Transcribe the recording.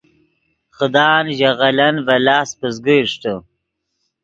خدان ژے غلن ڤے لاست پزگے اشٹے